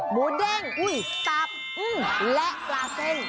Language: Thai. หมูเด้งตับและปลาเส้น